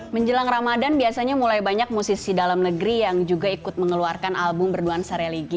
menjelang ramadan biasanya mulai banyak musisi dalam negeri yang juga ikut mengeluarkan album berduaansa religi